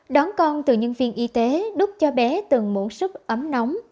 đón con từ nhân viên y tế đúc cho bé từng mẫu sức ấm nóng